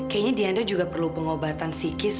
kayaknya diandra juga perlu pengobatan psikis